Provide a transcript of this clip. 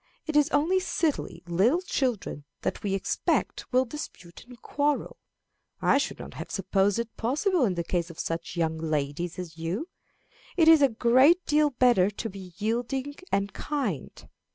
It is only silly little children that we expect will dispute and quarrel. I should not have supposed it possible in the case of such young ladies as you. It is a great deal better to be yielding and kind.